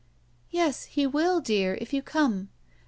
"Yes, He will, dear, if you come."